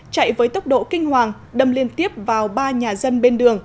chạy với tốc độ kinh hoàng đâm liên tiếp vào ba nhà dân bên đường